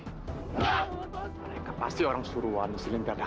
mereka pasti orang suruhan siling terdarah